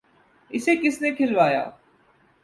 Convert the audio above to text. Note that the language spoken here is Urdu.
‘ اسے کس نے کھلوایا؟